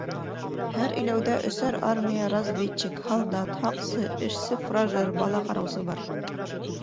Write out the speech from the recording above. Һәр иләүҙә өсәр армия разведчик, һалдат, һаҡсы, эшсе-фуражер, бала ҡараусы бар.